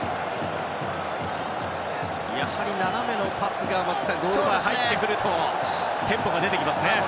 やはり斜めのパスがゴール前に入ってくるとテンポが出てきますね。